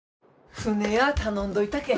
船や頼んどいたけん。